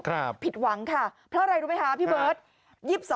ผิดหวังค่ะเพราะอะไรรู้ไหมคะพี่เบิร์ต